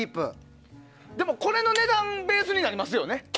でも、これの値段がベースになりますよね。